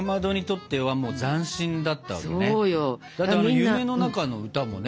「夢の中の歌」もね